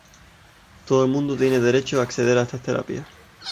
Todo el mundo tiene derecho a acceder a estas terapias".